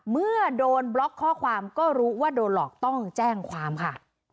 เมื่อโดนบล็อกข้อความก็รู้ว่าโดนหลอกต้องแจ้งความค่ะ